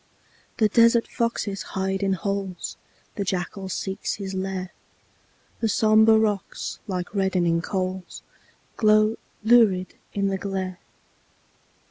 The desert foxes hide in holes, The jackal seeks his lair; The sombre rocks, like reddening coals, Glow lurid in the glare.